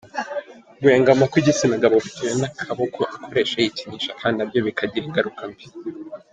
Guhengama kw’igitsina gabo bitewe n’akaboko akoresha yikinisha kandi nabyo bikagira ingaruka mbi.